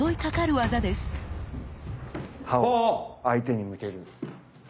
刃を相手に向ける。